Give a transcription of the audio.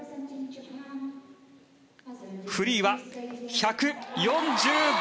フリーは１４５．２０！